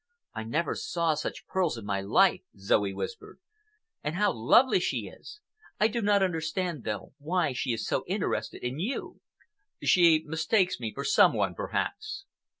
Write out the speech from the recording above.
"I never saw such pearls in my life," Zoe whispered. "And how lovely she is! I do not understand, though, why she is so interested in you." "She mistakes me for some one, perhaps."